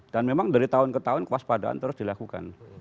dan memang dari tahun ke tahun kewaspadaan terus dilakukan